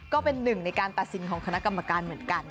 ก็เป็นหนึ่งในการตัดสินของคณะกรรมการเหมือนกัน